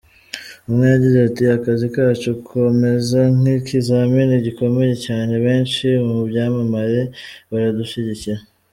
Umwe yagize ati “Akazi kacu kameze nk’ikizamini gikomeye cyane, benshi mu byamamare baradushyigikira.